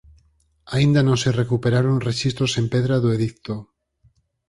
Aínda non se recuperaron rexistros en pedra do edicto.